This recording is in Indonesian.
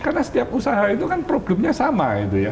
karena setiap usaha itu kan problemnya sama gitu ya